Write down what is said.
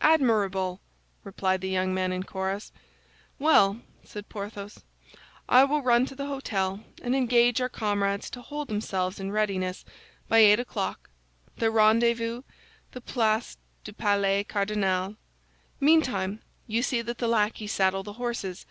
"Admirable!" replied the young men in chorus. "Well," said Porthos, "I will run to the hôtel, and engage our comrades to hold themselves in readiness by eight o'clock; the rendezvous, the Place du Palais Cardinal. Meantime, you see that the lackeys saddle the horses."